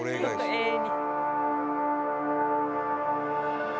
永遠に。